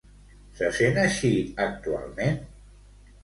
Se sent així actualment?